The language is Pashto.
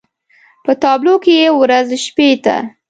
په تابلو کې يې ورځ شپې ته